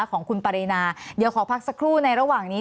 ของคุณปรินาเดี๋ยวขอพักสักครู่ในระหว่างนี้